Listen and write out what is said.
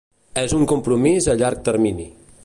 És un compromís a llarg termini.